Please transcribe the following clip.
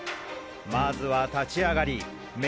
まずは立ち上がり明